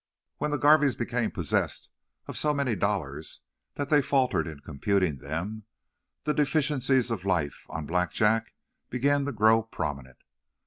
When the Garveys became possessed of so many dollars that they faltered in computing them, the deficiencies of life on Blackjack began to grow prominent.